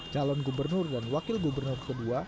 calon gubernur dan wakil gubernur kedua